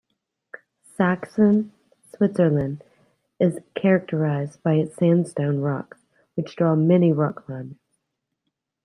Saxon Switzerland is characterized by its sandstone rocks which draw many rock climbers.